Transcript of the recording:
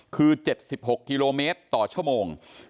คือ๗๖กิโลเมตรต่อชั่วโมง